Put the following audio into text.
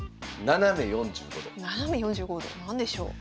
斜め４５度？何でしょう？